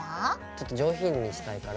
ちょっと上品にしたいから。